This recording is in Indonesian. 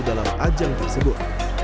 dalam ajang tersebut